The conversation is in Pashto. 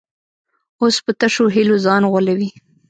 اوس په تشو هیلو ځان غولوي.